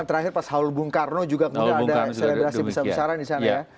terakhir pak saul bung karno juga mengadakan selebrasi besar besaran di sana